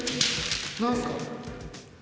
何すか？